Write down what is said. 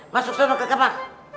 masuk sana ke kebang